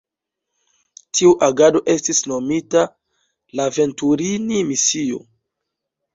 Tiu agado estis nomita la Venturini-misio.